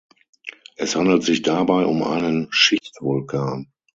Es handelt sich dabei um einen Schichtvulkan.